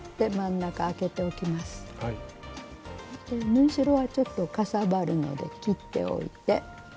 縫い代はちょっとかさばるので切っておいて。